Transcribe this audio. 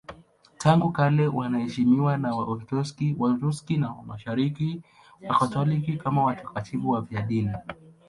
Tangu kale wanaheshimiwa na Waorthodoksi, Waorthodoksi wa Mashariki na Wakatoliki kama watakatifu wafiadini.